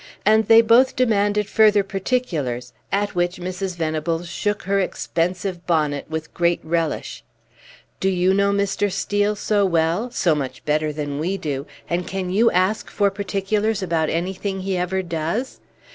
And they both demanded further particulars, at which Mrs. Venables shook her expensive bonnet with great relish. "Do you know Mr. Steel so well so much better than we do and can you ask for particulars about anything he ever does?